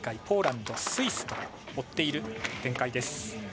ポーランド、スイスと追っている展開です。